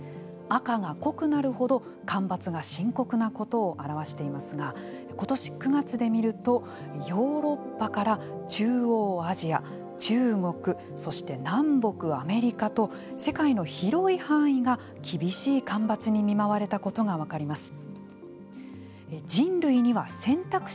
赤が濃くなるほど、干ばつが深刻なことを表していますが今年９月で見るとヨーロッパから中央アジア中国、そして南北アメリカと世界の広い範囲が厳しい干ばつに見舞われたことが分かります。